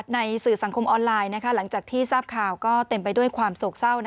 สื่อสังคมออนไลน์หลังจากที่ทราบข่าวก็เต็มไปด้วยความโศกเศร้า